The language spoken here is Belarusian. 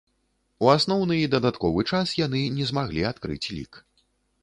У асноўны і дадатковы час яны не змаглі адкрыць лік.